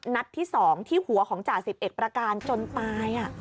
นัดที่๒ที่หัวของจ่าสิบเอกประการจนตาย